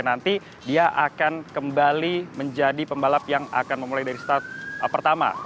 nanti dia akan kembali menjadi pembalap yang akan memulai dari start pertama